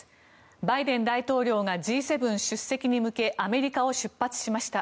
バイデン大統領がＧ７出席に向けアメリカを出発しました。